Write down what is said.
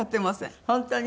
本当に？